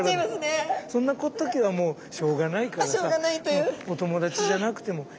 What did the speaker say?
そんな時はもうしょうがないからさお友達じゃなくてもいいの。